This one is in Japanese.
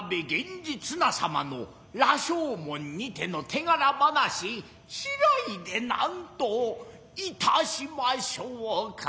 綱様の羅生門にての手柄話知らいで何といたしましょうか。